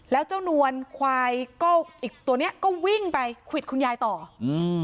แล้วเจ้านวลควายก็อีกตัวเนี้ยก็วิ่งไปควิดคุณยายต่ออืม